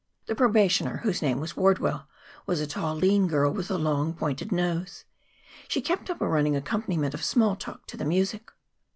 The probationer, whose name was Wardwell, was a tall, lean girl with a long, pointed nose. She kept up a running accompaniment of small talk to the music.